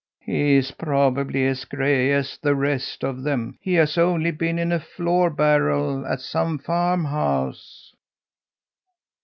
"He's probably as gray as the rest of them. He has only been in a flour barrel at some farm house!"